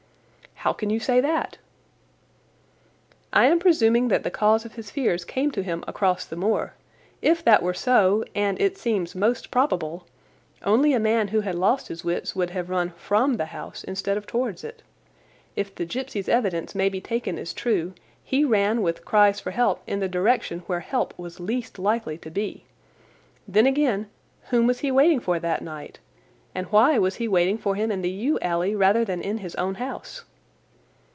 "How can you say that?" "I am presuming that the cause of his fears came to him across the moor. If that were so, and it seems most probable, only a man who had lost his wits would have run from the house instead of towards it. If the gipsy's evidence may be taken as true, he ran with cries for help in the direction where help was least likely to be. Then, again, whom was he waiting for that night, and why was he waiting for him in the yew alley rather than in his own house?"